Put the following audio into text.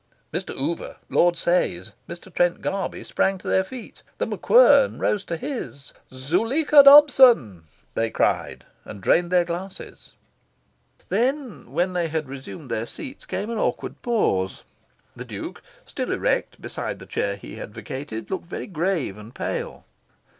Mr. Oover, Lord Sayes, Mr. Trent Garby, sprang to their feet; The MacQuern rose to his. "Zuleika Dobson!" they cried, and drained their glasses. Then, when they had resumed their seats, came an awkward pause. The Duke, still erect beside the chair he had vacated, looked very grave and pale.